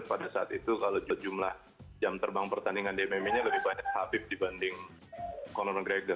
pada saat itu kalau jumlah jam terbang pertandingan di mma nya lebih banyak khabib dibanding conor mcgregor